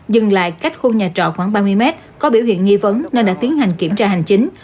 dừng lại cách khu nhà trọ khoảng ba mươi mét có biểu hiện nghi vấn nên đã tiến hành kiểm tra hành chính